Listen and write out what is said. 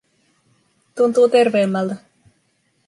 Tuntuu terveemmältä.